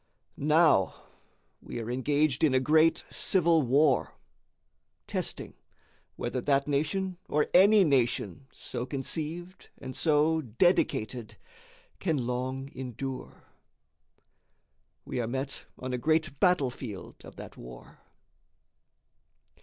Now we are engaged in a great civil war, testing whether that nation, or any nation so conceived and so dedicated, can long endure. We are met on a great battle field of that war.